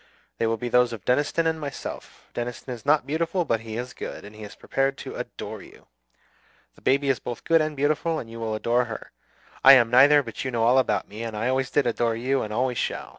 They will be those of Deniston and myself. Deniston is not beautiful, but he is good, and he is prepared to adore you. The baby is both good and beautiful, and you will adore her. I am neither; but you know all about me, and I always did adore you and always shall.